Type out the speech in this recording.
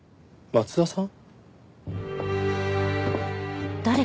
松田さん？